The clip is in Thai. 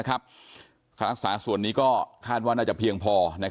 ค่ารักษาส่วนนี้ก็คาดว่าน่าจะเพียงพอ